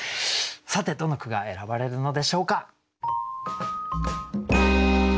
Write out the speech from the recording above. さてどの句が選ばれるのでしょうか。